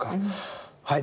はい。